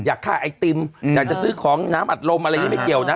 อยากฆ่าไอติมอยากจะซื้อของน้ำอัดลมอะไรอย่างนี้ไม่เกี่ยวนะ